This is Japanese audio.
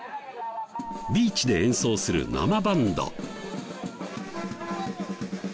ビーチで演奏する生バンド。